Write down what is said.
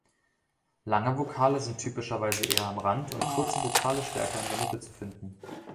Lange Vokale sind typischerweise eher am Rand und kurze Vokale stärker in der Mitte zu finden.